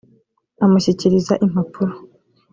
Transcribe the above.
Amushyikiriza impapuro